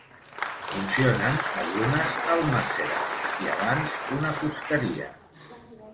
Funcionen algunes almàsseres i abans una fusteria.